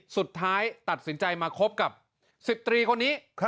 สุดท้ายตัดสินใจมาคบกับ๑๐ตรีคนนี้